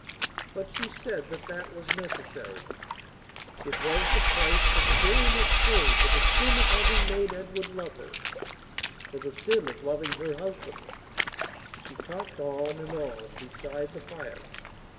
But she said that that was necessary; it was the price that the girl must pay for the sin of having made Edward love her, for the sin of loving her husband. She talked on and on, beside the fire.